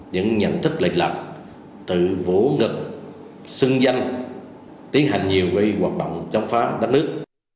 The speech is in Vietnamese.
những nhận thức lệch lạc tự vũ ngực xưng danh tiến hành nhiều hoạt động chống phá đất nước